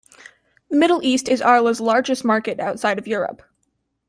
The Middle East is Arla's largest market outside of Europe.